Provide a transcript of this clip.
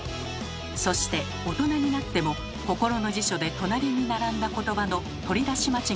そして大人になっても心の辞書で隣に並んだ言葉の取り出し間違いは起こるのです。